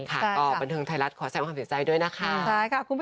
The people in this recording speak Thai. ก็บันเทิงไทยรัฐขอแสงความเสียใจด้วยนะคะ